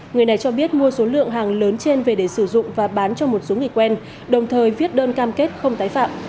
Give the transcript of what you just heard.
người này cho biết mua số lượng hàng lớn trên về để sử dụng và bán cho một số người quen đồng thời viết đơn cam kết không tái phạm